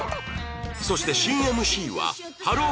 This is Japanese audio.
そして新 ＭＣ はハロー！